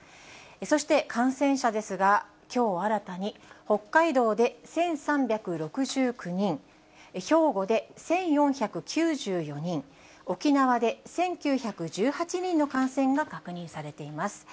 そして感染者ですが、きょう新たに北海道で１３６９人、兵庫で１４９４人、沖縄で１９１８人の感染が確認されています。